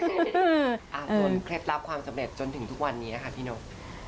ส่วนเคล็ดเคล็ดลับความสำเร็จจนถึงทุกวันนี้ค่ะพี่นก